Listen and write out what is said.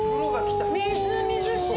みずみずしい。